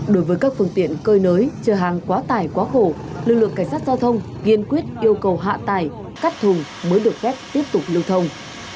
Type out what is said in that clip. đối với các phương tiện cơi nới chở hàng quá tài quá khổ lực lượng cảnh sát giao thông nghiên quyết yêu cầu hạ tài cắt thùng mới được phép tiếp tục lưu thông